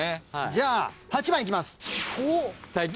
じゃあ８番いきます。